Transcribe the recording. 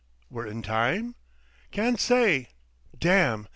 "We're in time?" "Can't say.... Damn!